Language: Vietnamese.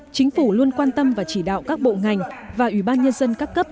chính phủ luôn quan tâm và chỉ đạo các bộ ngành và ủy ban nhân dân các cấp